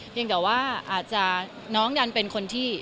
เพียงแต่ว่าอาจจะน้องการเป็นคนที่